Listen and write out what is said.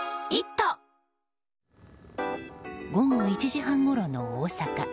午後１時半ごろの大阪。